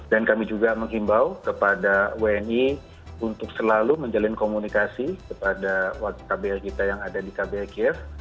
dan kami juga mengimbau kepada wni untuk selalu menjalin komunikasi kepada kbr kita yang ada di kbr kiev